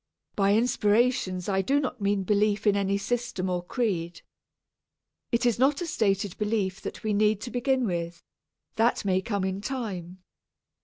By inspirations I do not mean belief in any system or creed. It is not a stated belief that we need to begin with; that may come in time.